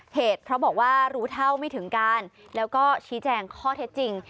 เหตุเพราะบอกว่ารู้เท่าไม่ถึงการแล้วก็ชี้แจงข้อเท็จจริง